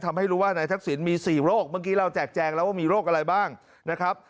ทำให้รู้ว่านายทักษิณมี๔โรคเมื่อกี้เราแจกแจงแล้วว่ามีโรคอะไรบ้างนะครับ